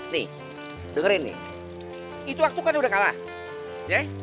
nih dengerin nih itu waktu kan udah kalah